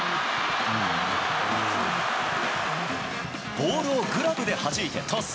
ボールをグラブではじいてトス。